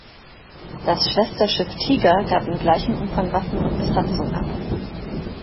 Das Schwesterschiff "Tiger" gab in gleichem Umfang Waffen und Besatzung ab.